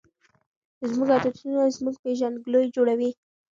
زموږ عادتونه زموږ پیژندګلوي جوړوي.